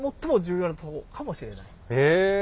へえ！